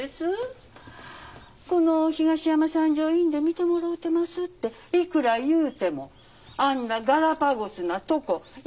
この東山三条医院で診てもろうてますっていくら言うてもあんなガラパゴスなとこやめたほうがええとか。